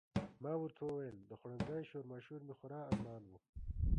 ما ورته وویل د خوړنځای شورماشور مې خورا ارمان و.